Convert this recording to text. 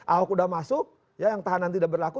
ahok sudah masuk ya yang tahanan tidak berlaku